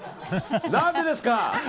何でですか！